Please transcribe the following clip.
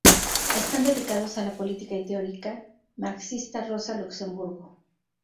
Están dedicados a la política y teórica marxista Rosa Luxemburgo.